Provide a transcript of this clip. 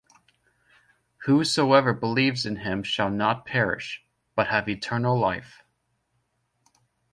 Whosoever believes in him shall not perish, but have eternal life.